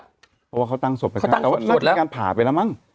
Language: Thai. เพราะว่าเขาตั้งศพไปแล้วเขาน่าจะมีการผ่าไปแล้วมั้ง